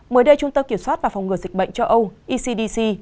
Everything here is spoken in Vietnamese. mới đây trung tâm kiểm soát và phòng ngừa dịch bệnh châu âu ecdc